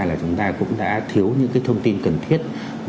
là chúng ta cũng đã thiếu những cái thông tin cần thiết